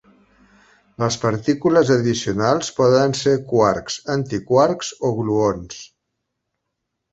Les partícules addicionals poden ser quarks, antiquarks o gluons.